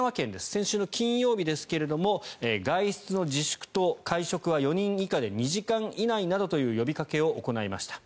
先週の金曜日ですが外出の自粛と会食は４人以下で２時間以内などという呼びかけを行いました。